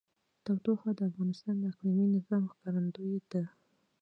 تودوخه د افغانستان د اقلیمي نظام ښکارندوی ده.